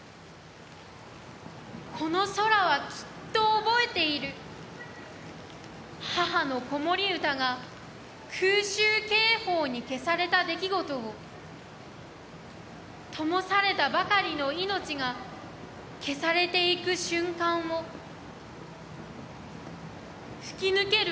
この空はきっと覚えている母の子守唄が空襲警報に消された出来事を灯されたばかりの命が消されていく瞬間を吹き抜ける